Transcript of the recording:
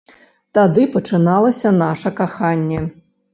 Тады пачыналася наша каханне.